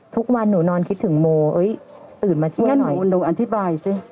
ทุกวันหนูนอนคิดถึงโมเอ้ยตื่นมาช่วยหนูอธิบายสิ